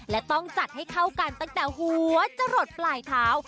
และต้องจัดให้เข้ากันตั้งแต่หัวจะหลดปลายเท้า